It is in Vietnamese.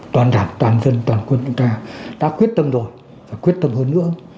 toàn đảng toàn dân toàn quân chúng ta đã quyết tâm rồi và quyết tâm hơn nữa